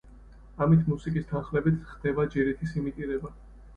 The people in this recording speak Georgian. ამით, მუსიკის თანხლებით, ხდება ჯირითის იმიტირება.